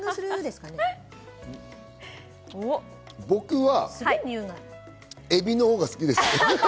僕はエビのほうが好きです。